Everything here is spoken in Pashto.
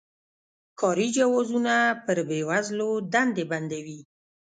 کاري جوازونه پر بې وزلو دندې بندوي.